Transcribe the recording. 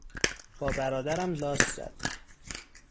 با برادرم لاس زد.